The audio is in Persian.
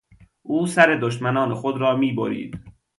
او سر دشمنان خود را میبرید.